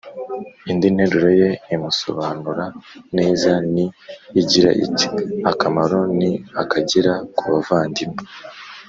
Indi nteruro ye imusobanura neza ni igira iti: " Akamaro ni akagera ku bavandimwe